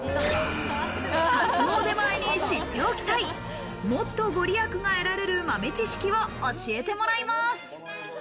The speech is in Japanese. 初詣前に知っておきたい、もっと御利益が得られる豆知識を教えてもらいます。